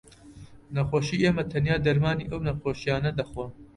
نەخۆشی ئێمە تەنیا دەرمانی ئەو نەخۆشییانە دەخۆن